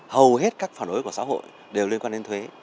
hầu hết các phản đối của xã hội đều liên quan đến thuế